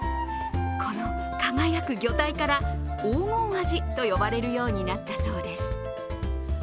この輝く魚体から黄金味と呼ばれるようになったそうです。